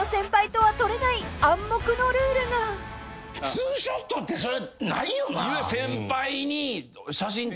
２ショットってそらないよな。